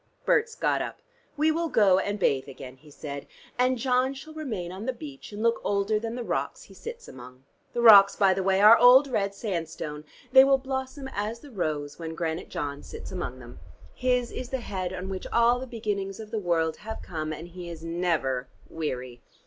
Berts got up. "We will go and bathe again," he said, "and John shall remain on the beach and look older than the rocks he sits among. The rocks by the way are old red sandstone. They will blossom as the rose when Granite John sits among them. His is the head on which all the beginnings of the world have come, and he is never weary.